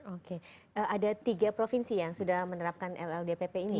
oke ada tiga provinsi yang sudah menerapkan lldpp ini